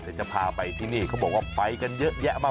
เดี๋ยวจะพาไปที่นี่เขาบอกว่าไปกันเยอะแยะมาก